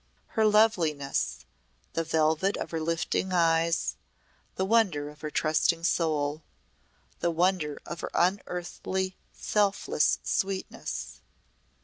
Her loveliness, the velvet of her lifting eyes the wonder of her trusting soul the wonder of her unearthly selfless sweetness!